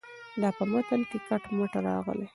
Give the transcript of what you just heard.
دا په متن کې کټ مټ راغلې.